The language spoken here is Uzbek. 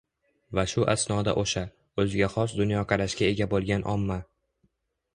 Va shu asnoda o‘sha – o‘ziga xos dunyoqarashga ega bo‘lgan omma